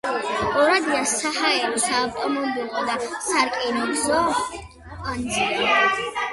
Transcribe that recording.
ორადია საჰაერო, საავტომობილო და სარკინიგზო კვანძია.